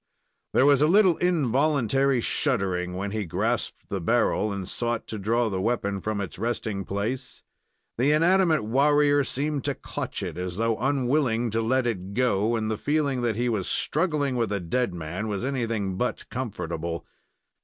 There was a little involuntary shuddering when he grasped the barrel and sought to draw the weapon from its resting place. The inanimate warrior seemed to clutch it, as though unwilling to let it go, and the feeling that he was struggling with a dead man was anything but comfortable.